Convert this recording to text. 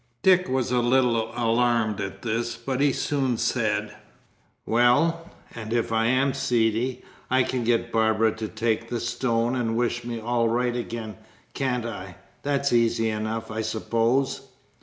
Dick was a little alarmed at this, but he soon said: "Well, and if I am seedy, I can get Barbara to take the stone and wish me all right again, can't I? That's easy enough, I suppose."